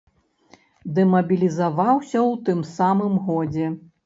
Дэмабілізаваўся ў тым самым годзе.